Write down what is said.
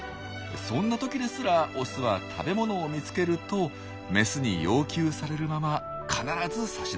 そんな時ですらオスは食べ物を見つけるとメスに要求されるまま必ず差し出します。